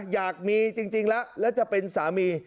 อยากมีจริงแล้วจะเป็นพี่สัมที